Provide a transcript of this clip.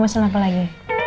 mau pesen apa lagi